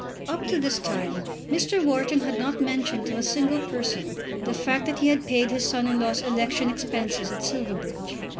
Up to this time Mr. Wharton had not mentioned to a single person the fact that he had paid his son in law's election expenses at Silverbridge.